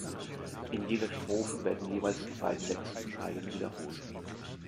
In jeder Strophe werden jeweils die beiden letzten Zeilen wiederholt.